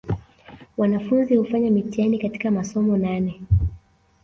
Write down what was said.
Wanafunzi hufanya mtihani katika masomo nane